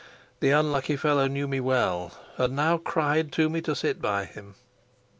The unlucky fellow knew me well, and now cried to me to sit by him.